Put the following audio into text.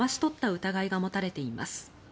疑いが持たれています。